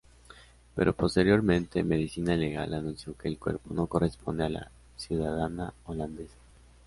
Pero posteriormente, Medicina legal anunció que el cuerpo no corresponde a la ciudadana holandesa.